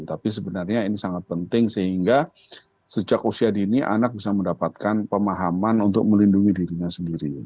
tapi sebenarnya ini sangat penting sehingga sejak usia dini anak bisa mendapatkan pemahaman untuk melindungi dirinya sendiri